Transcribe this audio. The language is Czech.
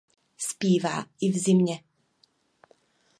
Zpívá i v zimě.